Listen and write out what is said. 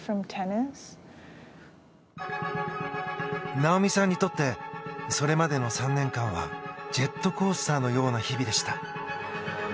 なおみさんにとってそれまでの３年間はジェットコースターのような日々でした。